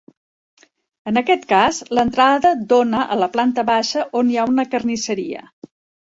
En aquest cas, l’entrada dóna a la planta baixa on hi ha una carnisseria.